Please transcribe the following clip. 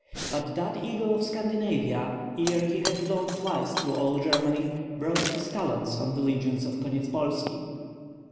But that eagle of Scandinavia, ere he had flown twice through all Germany, broke his talons on the legions of Konyetspolski.